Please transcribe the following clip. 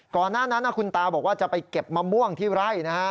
ก่อนหน้านั้นคุณตาบอกว่าจะไปเก็บมะม่วงที่ไร่นะฮะ